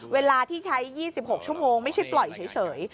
เวลาที่ใช้๒๖ชั่วโมงไม่ใช่ปล่อยเฉย